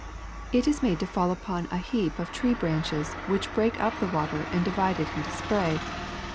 It is made to fall upon a heap of tree branches which break up the water and divide it into spray.